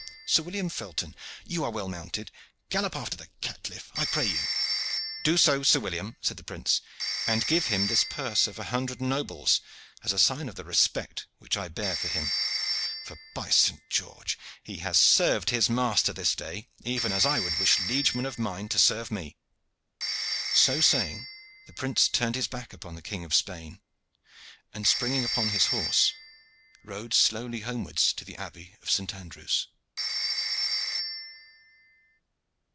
Sir William Felton, you are well mounted, gallop after the caitiff, I pray you." "Do so, Sir William," said the prince, "and give him this purse of a hundred nobles as a sign of the respect which I bear for him; for, by St. George! he has served his master this day even as I would wish liegeman of mine to serve me." So saying, the prince turned his back upon the King of Spain, and springing upon his horse, rode slowly homewards to the Abbey of Saint Andrew's.